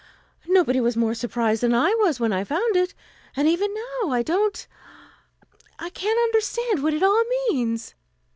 Nobody was more surprised than I was when I found it. And even now I don't I can't understand what it all means."